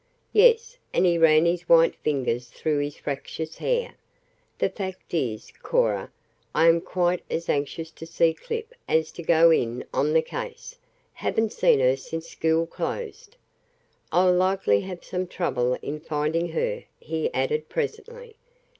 "Yes," and he ran his white fingers through his "fractious" hair. "The fact is, Cora, I am quite as anxious to see Clip as to go in on the case. Haven't seen her since school closed." "I'll likely have some trouble in finding her," he added presently.